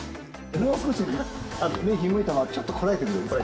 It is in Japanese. もう少し、目、ひんむいたままちょっとこらえてくれる？